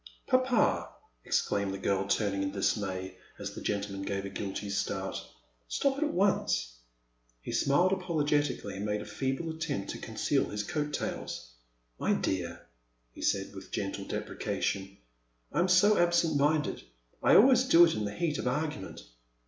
Papa !exclaimed the girl, turning in dis may, as that gentleman gave a g^lty start, '' stop it at once !He smiled apologetically and made a feeble attempt to conceal his coat tails. My dear, he said, wth gentle deprecation, I am so absent minded — I always do it in the heat of argtunent.